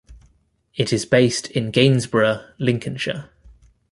It is based in Gainsborough, Lincolnshire.